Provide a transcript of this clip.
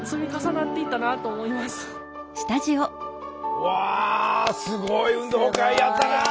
うわすごい運動会やったなあ。